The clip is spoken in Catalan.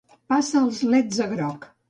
Passa els leds a groc.